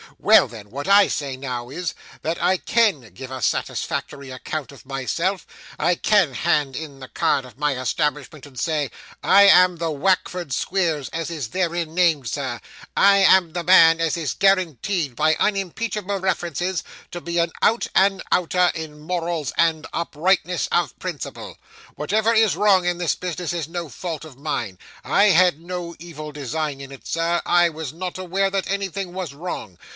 Well then, what I say now is, that I CAN give a satisfactory account of myself; I can hand in the card of my establishment and say, "I am the Wackford Squeers as is therein named, sir. I am the man as is guaranteed, by unimpeachable references, to be a out and outer in morals and uprightness of principle. Whatever is wrong in this business is no fault of mine. I had no evil design in it, sir. I was not aware that anything was wrong.